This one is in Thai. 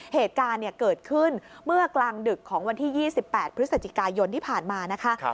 เหตุการณ์เกิดขึ้นเมื่อกลางดึกของวันที่๒๘พฤศจิกายนที่ผ่านมานะคะ